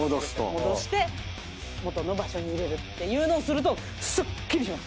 戻して元の場所に入れるっていうのをするとすっきりします。